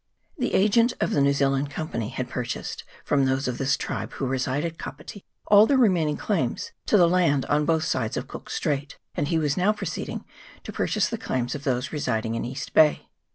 The agent of the New Zealand Company had purchased from those of this tribe who reside at Kapiti all their remaining claims to the land on both sides of Cook's Strait, and he was now proceeding to pur chase the claims of those residing in East Bay.